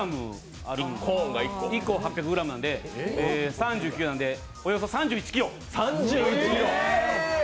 １個８００ｇなので３９なので、およそ３１ｋｇ。